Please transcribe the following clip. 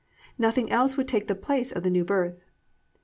Nothing else will take the place of the New Birth.